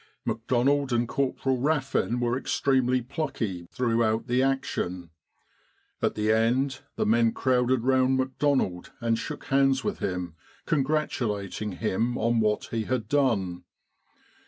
11 * McDonald and Corporal Raffin were extremely plucky throughout the action. At the end the men crowded round McDonald and shook hands with him, congratulating him on what he had done.